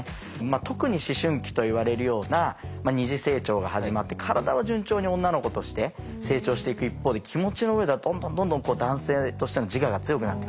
特に思春期といわれるような二次性徴が始まって体は順調に女の子として成長していく一方で気持ちの上ではどんどんどんどん男性としての自我が強くなっていくと。